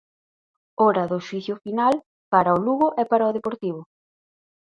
Hora do xuízo final para o Lugo e para o Deportivo.